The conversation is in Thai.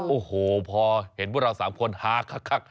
โอ้โหพอเห็นพวกเรา๓คนฮาคัก